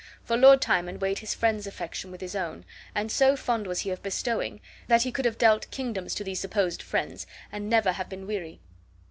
For Lord Timon weighed his friends' affection with his own, and so fond was he of bestowing, that be could have dealt kingdoms to these supposed friends and never have been weary.